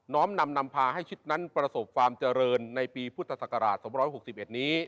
น้อมนำนำพาให้ชิดนั้นประสบความเจริญในปีพุทธศักราชสองร้อยหกสิบเอ็ดนี้